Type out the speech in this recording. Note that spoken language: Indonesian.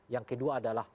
yang kedua adalah